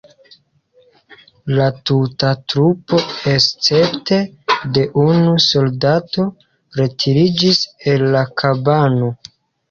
La tuta trupo escepte de unu soldato retiriĝis el la kabano.